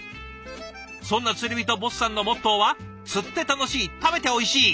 そんな釣り人ｂｏｓｓさんのモットーは「釣って楽しい食べておいしい」。